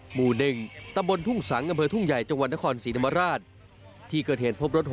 หมู่๑ตำรวนทุ่งสังธุ์งทุ่งใหญ่จนษินมรัช